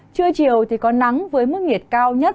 trưa chiều thì có nắng với mức nhiệt cao nhất